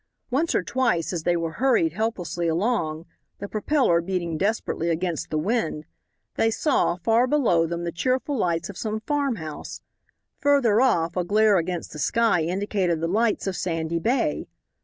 Once or twice as they were hurried helplessly along, the propeller beating desperately against the wind, they saw, far below them, the cheerful lights of some farmhouse. Further off a glare against the sky indicated the lights of Sandy Bay.